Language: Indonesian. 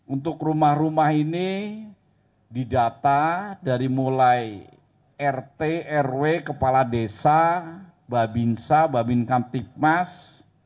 untuk rumah rumah ini didata dari mulai rt rw kepala desa babinsa babinkam tikmas